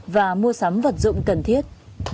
và mua sắm vật dụng cần thiết